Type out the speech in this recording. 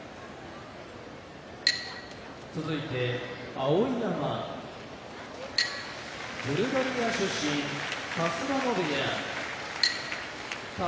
碧山ブルガリア出身春日野部屋宝